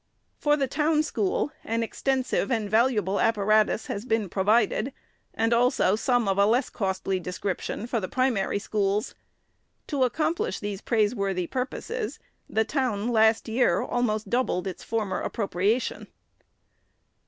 For the town school, an extensive and valuable appa ratus has been provided, and also some of a less costly description for the primary schools. To accomplish these praiseworthy purposes, the town, last year, almost doubled its former appropriation.